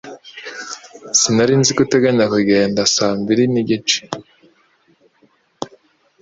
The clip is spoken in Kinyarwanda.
Sinari nzi ko uteganya kugenda saa mbiri nigice